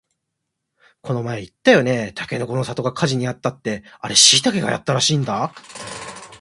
この前言ってたよね、たけのこの里が火事にあったってあれしいたけがやったらしいんだ